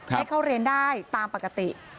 ให้เข้าเรียนได้ตามปกติ